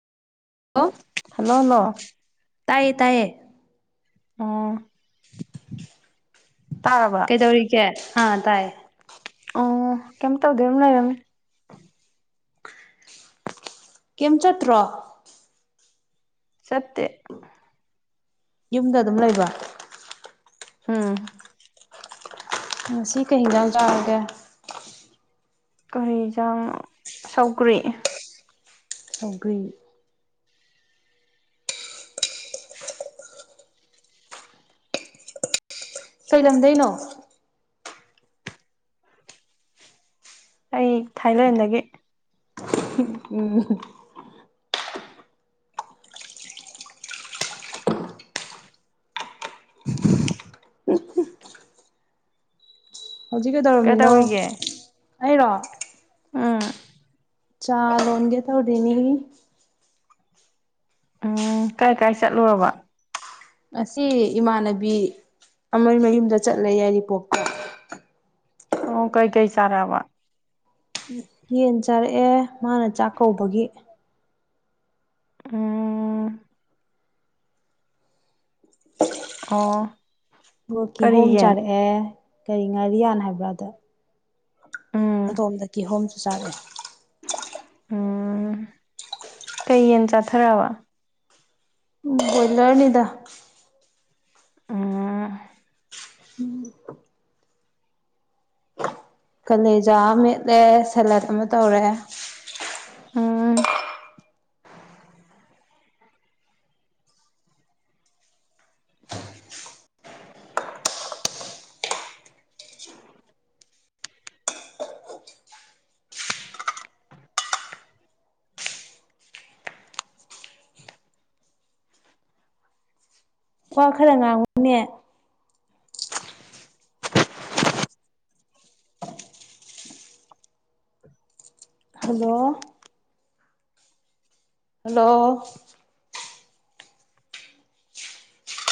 hello hello ꯂꯣ ꯇꯥꯏꯌꯦ ꯇꯥꯏꯌꯦ ꯎꯝ ꯇꯥꯔꯕ ꯀꯩꯗꯧꯔꯤꯒꯦ ꯑꯥ ꯇꯥꯏꯌꯦ ꯑꯣ ꯀꯩꯝ ꯇꯧꯗꯦ ꯎꯝ ꯂꯩꯏꯔꯝꯃꯦ ꯀꯦꯝ ꯆꯠꯇ꯭ꯔꯣ ꯆꯠꯇꯦ ꯌꯨꯝꯗ ꯑꯗꯨꯝ ꯂꯩꯕ ꯎꯝ ꯉꯁꯤ ꯀꯩ ꯍꯤꯡꯗ ꯆꯥꯎꯔꯒꯦ ꯀꯔꯤꯖꯥꯡ ꯁꯧꯒ꯭ꯔꯤ ꯁꯒ꯭ꯔꯤ ꯀꯩꯂꯝꯗꯩꯅꯣ ꯑꯩ ꯊꯥꯏꯂꯦꯟꯗꯒꯤ ꯎꯝ ꯍꯧꯖꯤꯛ ꯀꯩ ꯇꯧꯔꯝꯃꯤꯅꯣ ꯀꯩꯗꯧꯔꯤꯒꯦ ꯑꯩꯔꯣ ꯎꯝ ꯆꯥꯣꯟꯒꯦ ꯇꯧꯔꯤꯅꯤ ꯎ ꯀꯥꯏ ꯀꯥꯏ ꯆꯠꯂꯨꯔꯕ ꯉ ꯏꯃꯥꯟꯅꯕꯤ ꯑꯃ ꯃꯌꯨꯝꯗ ꯆꯠꯂꯦ ꯌꯥꯏꯔꯤꯄꯣ ꯑꯣ ꯀꯩꯀꯩ ꯆꯥꯔꯑꯕ ꯌꯦꯟ ꯆꯥꯔꯛꯑꯦ ꯃꯥꯅ ꯆꯥꯛ ꯀꯧꯕꯧꯕꯒꯤ ꯑ ꯑ ꯀꯤꯍꯣꯝ ꯆꯥꯔꯛꯑꯦ ꯀꯔꯤ ꯉꯥꯔꯤꯌꯥꯟ ꯍꯥꯏꯕ꯭ꯔꯥꯗ ꯎꯝ ꯑꯗꯣꯝꯗ ꯀꯤꯍꯣꯝꯁꯨ ꯆꯥꯔꯛꯑꯦ ꯎꯝ ꯀꯩ ꯌꯦꯟ ꯆꯥꯊꯔꯛꯑꯕ ꯎ ꯕꯣꯏꯂꯔꯅꯤꯗ ꯎꯝ ꯀꯂꯖꯥ ꯑꯃ ꯃꯦꯠꯂꯦ ꯁꯦꯂꯦꯠ ꯑꯃ ꯇꯧꯔꯦ ꯎꯝ ꯋꯥ ꯈꯔ ꯉꯥꯡꯉꯨꯅꯦ ꯍꯜꯂꯣ ꯍꯜꯂꯣ